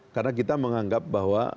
karena kita menganggap bahwa